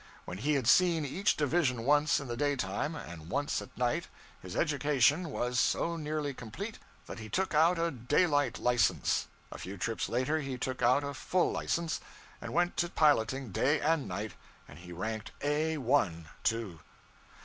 When he had seen each division once in the daytime and once at night, his education was so nearly complete that he took out a 'daylight' license; a few trips later he took out a full license, and went to piloting day and night and he ranked A 1, too.